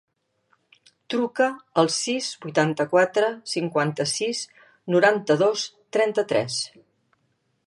Truca al sis, vuitanta-quatre, cinquanta-sis, noranta-dos, trenta-tres.